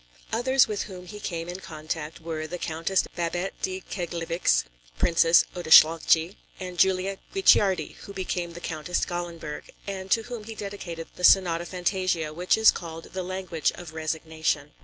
Others with whom he came in contact were the Countess Babette de Keglivics (Princess Odeschalchi), and Julia Guicciardi, who became the Countess Gallenberg, and to whom he dedicated the Sonata Fantasia, which is called the language of resignation.